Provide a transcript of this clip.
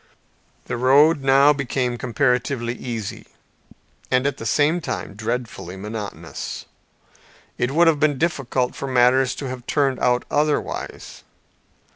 The road now became comparatively easy, and at the same time dreadfully monotonous. It would have been difficult for matters to have turned out otherwise.